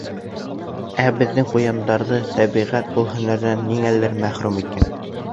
Ә беҙҙең ҡуяндарҙы тәбиғәт был һөнәрҙән ниңәлер мәхрүм иткән.